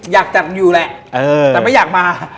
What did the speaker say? อยากจัดอยู่แหละแต่ไม่อยากมา